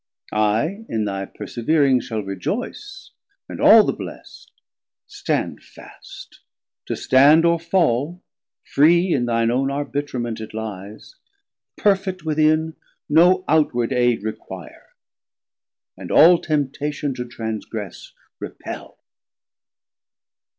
I in thy persevering shall rejoyce, And all the Blest: stand fast; to stand or fall 640 Free in thine own Arbitrement it lies. Perfet within, no outward aid require; And all temptation to transgress repel.